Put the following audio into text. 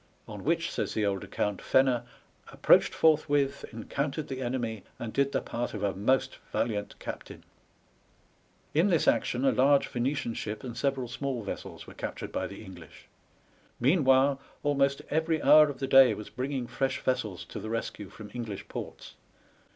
on which, says the old account, Fenner *' approached forth with, encountered the enemy, and did the part of a most valiant captain." In this action a large Venetian ship and several small vessels were captured by the English. Meanwhile almost every hour of the day was bringing fresh vessels to the rescue from English ports.